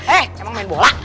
eh emang main bola